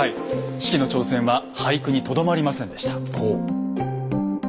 子規の挑戦は俳句にとどまりませんでした。